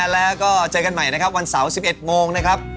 แล้วก็เจอกันใหม่นะครับวันเสาร์๑๑โมงนะครับ